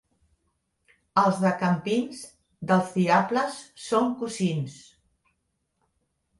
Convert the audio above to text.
Els de Campins dels diables són cosins.